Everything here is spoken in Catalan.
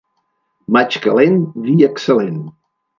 Maig calent, vi excel·lent.